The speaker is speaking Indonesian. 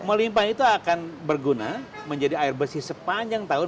melimpah itu akan berguna menjadi air bersih sepanjang tahun